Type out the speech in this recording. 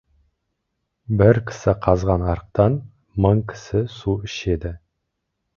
Бір кісі қазған арықтан мың кісі су ішеді.